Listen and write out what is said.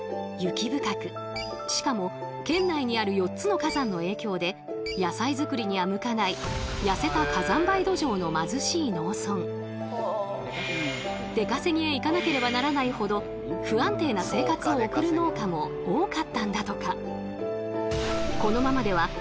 しかも県内にある４つの火山の影響で野菜作りには向かない痩せた出稼ぎへ行かなければならないほど不安定な生活を送る農家も多かったんだとか。